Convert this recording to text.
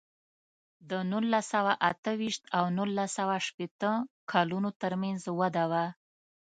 د نولس سوه اته ویشت او نولس سوه شپېته کلونو ترمنځ وده وه.